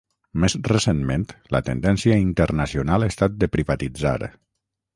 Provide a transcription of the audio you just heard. Més recentment, la tendència internacional ha estat de privatitzar.